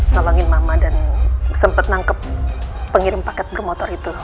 nolongin mama dan sempet nangkep pengirim paket bermotor itu